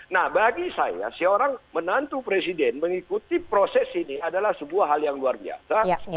nah bagi saya seorang menantu presiden mengikuti proses ini adalah sebuah hal yang luar biasa